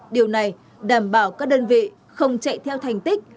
điều này đảm bảo các đơn vị không chạy theo thành tích